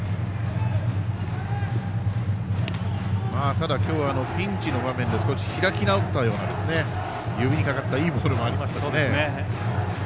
ただ、今日はピンチの場面で少し開き直ったような指にかかったいいボールがありますね。